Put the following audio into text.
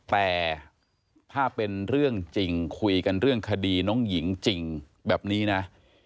แต่ถ้าเป็นเรื่องจริงคุยกันเรื่องคดีน้องหญิงจริงแบบนี้นะ